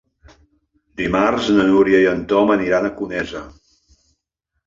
Dimarts na Núria i en Tom aniran a Conesa.